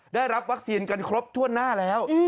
ได้รับวัคซีนกันครบถ้วนหน้าแล้ว